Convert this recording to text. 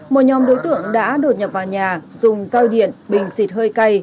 một nhóm đối tượng đã đột nhập vào nhà dùng roi điện bình xịt hơi cay